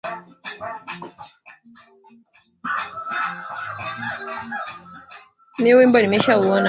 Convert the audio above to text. Asante kwa yote.